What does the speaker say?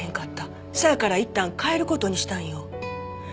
せやからいったん帰る事にしたんよ。